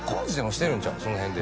「その辺で」